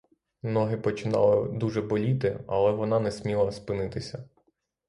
Ноги починали дуже боліти, але вона не сміла спинитися.